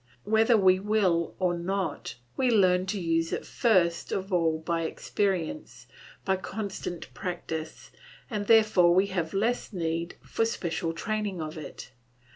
Whether we will or not, we learn to use it first of all by experience, by constant practice, and therefore we have less need for special training for it.